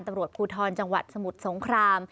ตำรวจภูทรจังหวัดสมุทรสงคราม